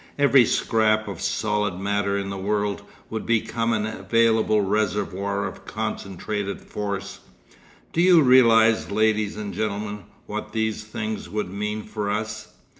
Every scrap of solid matter in the world would become an available reservoir of concentrated force. Do you realise, ladies and gentlemen, what these things would mean for us?